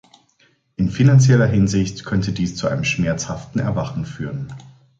In finanzieller Hinsicht könnte dies zu einem schmerzhaften Erwachen führen.